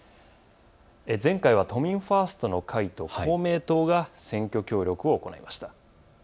前回は都民ファーストの会と公明党が選挙協力を行いました。